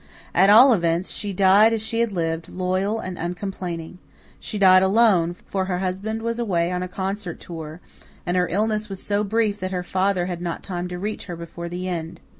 At all events, she died as she had lived, loyal and uncomplaining. She died alone, for her husband was away on a concert tour, and her illness was so brief that her father had not time to reach her before the end.